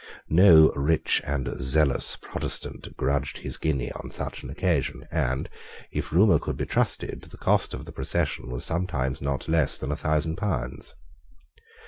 No rich and zealous Protestant grudged his guinea on such an occasion, and, if rumour could be trusted, the cost of the procession was sometimes not less than a thousand pounds.